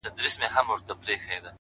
چي خپلي سپيني او رڼې اوښـكي يې-